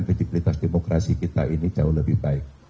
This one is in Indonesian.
kredibilitas demokrasi kita ini jauh lebih baik